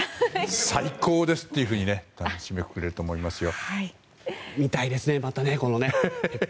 最高です！って締めくくれると思いますよ。